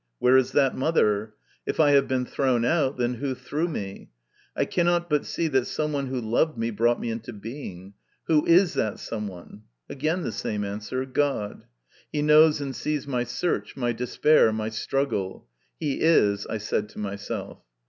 Where is that mother ? If I have been thrown out, then who threw me ? I cannot but see that someone who loved me brought me into being. Who is that some one? Again the same answer, God. He knows and sees my search, my despair, my struggle. " He is," I said to myself.